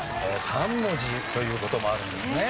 ３文字という事もあるんですね。